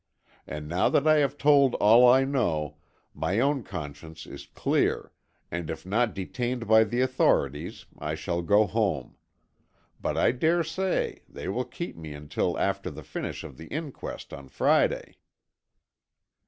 And now that I have told all I know, my own conscience is clear, and if not detained by the authorities, I shall go home. But I daresay they will keep me until after the finish of the inquest on Friday."